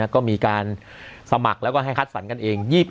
ก็มีการสมัครแล้วก็ให้คัดสรรกันเอง